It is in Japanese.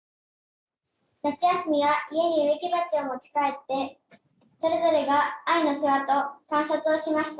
夏休みは家に植木鉢を持ち帰ってそれぞれが藍の世話と観察をしました。